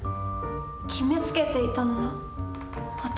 決めつけていたのは私？